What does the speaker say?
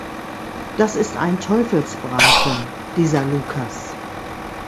Das ist ein Teufelsbraten, dieser Lukas.